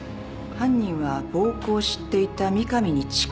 犯人は暴行を知っていた三上に近い人間。